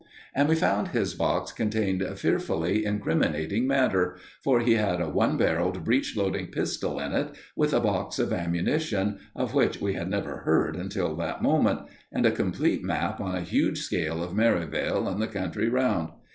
And we found his box contained fearfully incriminating matter, for he had a one barrelled breech loading pistol in it, with a box of ammunition, of which we had never heard until that moment, and a complete map on a huge scale of Merivale and the country round.